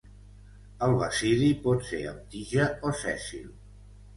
El basidi pot ser amb tija o sèssil.